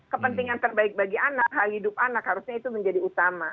kepentingan terbaik bagi anak hal hidup anak harusnya itu menjadi utama